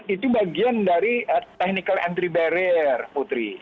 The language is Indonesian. itu bagian dari technical entry barrier putri